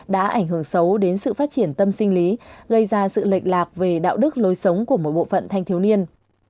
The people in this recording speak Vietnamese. đã ảnh hưởng xấu đến sự phát triển tâm sinh lý gây ra sự lệch lạc về đạo đức lối sống của một bộ phận thanh thiếu niên